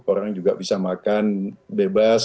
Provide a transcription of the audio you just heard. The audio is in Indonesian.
orang juga bisa makan bebas